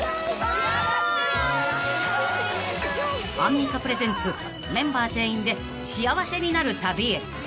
［アンミカプレゼンツメンバー全員で幸せになる旅へ］